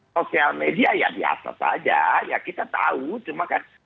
sosial media ya biasa saja ya kita tahu cuma kan